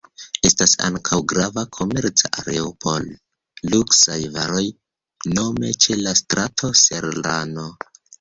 Estas ankaŭ grava komerca areo por luksaj varoj, nome ĉe la strato Serrano.